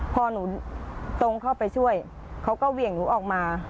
พอหนูตรงเข้าไปช่วยเขาก็เหวี่ยงหนูออกมา